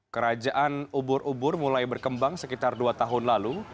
kerajaan ubur ubur mulai berkembang sekitar dua tahun lalu